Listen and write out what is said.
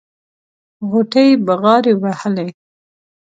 غوټۍ بغاري وهلې.